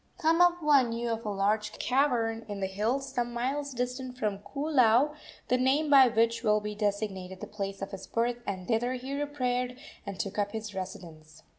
Kamapuaa knew of a large cavern in the hills some miles distant from Koolau, the name by which will be designated the place of his birth, and thither he repaired and took up his residence.